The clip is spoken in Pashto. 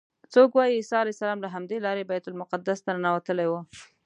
څوک وایي عیسی علیه السلام له همدې لارې بیت المقدس ته ننوتلی و.